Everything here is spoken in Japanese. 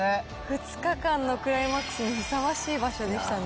２日間のクライマックスにふさわしい場所でしたね。